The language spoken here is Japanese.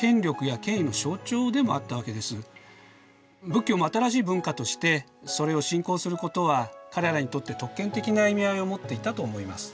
仏教も新しい文化としてそれを信仰することは彼らにとって特権的な意味合いを持っていたと思います。